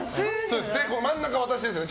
真ん中、私ですね。